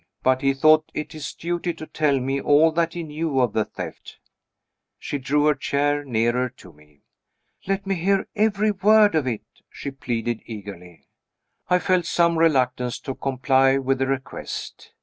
But he thought it his duty to tell me all that he knew of the theft." She drew her chair nearer to me. "Let me hear every word of it!" she pleaded eagerly. I felt some reluctance to comply with the request.